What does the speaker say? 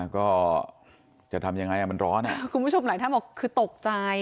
ก็จะทำยังไงอ่ะมันร้อนอ่ะคุณผู้ชมหลายท่านบอกคือตกใจ